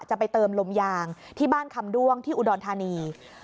จะไปเติมลมยางที่บ้านคำด้วงที่อุดรธานี